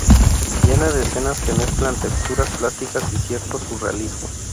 Llena de escenas que mezclan texturas plásticas y cierto surrealismo.